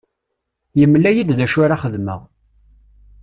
Yemla-iyi-d d acu ara xedmeɣ.